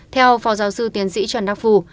theo phó giáo sư tiến sĩ trần đắc phu